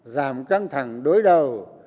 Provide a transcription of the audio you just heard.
giảm căng thẳng đối đầu